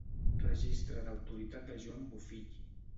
Registre d'autoritat de Joan Bofill.